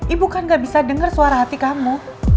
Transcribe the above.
ibu kan gak bisa dengar suara hati kamu